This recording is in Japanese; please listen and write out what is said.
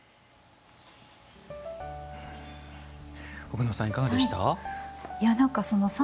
奥野さん、いかがでした？